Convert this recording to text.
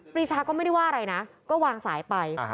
รีชาก็ไม่ได้ว่าอะไรนะก็วางสายไป